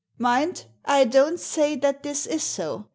Mind, I don't say that this is so.